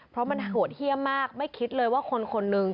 เพราะมันโหดเยี่ยมมากไม่คิดเลยว่าคนคนหนึ่ง